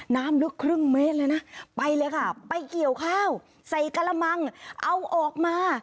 น้ำลึกครึ่งเมตรเลยนะไปเลยค่ะไปเกี่ยวข้าวใส่กระมังเอาออกมา